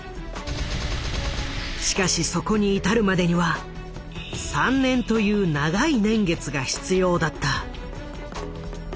しかしそこに至るまでには３年という長い年月が必要だった。